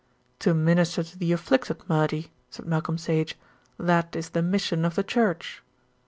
"To minister to the afflicted, Murdy," said Malcolm Sage. "That is the mission of the Church."